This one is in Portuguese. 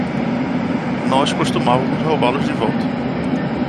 Nós costumávamos roubá-los de volta.